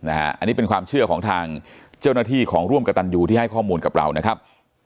อันนี้เป็นความเชื่อของทางเจ้าหน้าที่ของร่วมกระตันยูที่ให้ข้อมูลกับเรานะครับ